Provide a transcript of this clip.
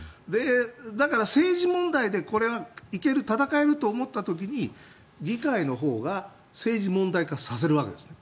だから、政治問題でこれは行ける、戦えると思った時に議会のほうが政治問題化させるわけですね。